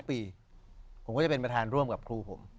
ปีผมก็จะเป็นประธานร่วมกับครูผม